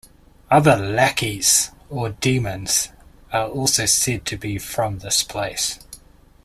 Other 'Lakheys' or demons are also said to be from this place.